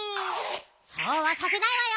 そうはさせないわよ！